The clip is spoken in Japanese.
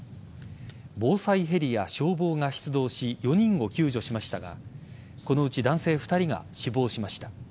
防災ヘリや消防が出動し４人を救助しましたがこのうち男性２人が死亡しました。